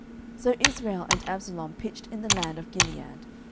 10:017:026 So Israel and Absalom pitched in the land of Gilead.